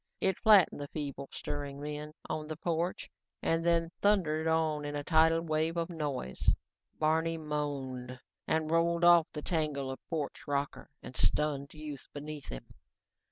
It flattened the feebly stirring men on the porch and then thundered on in a tidal wave of noise. Barney moaned and rolled off the tangle of porch rocker and stunned youth beneath him.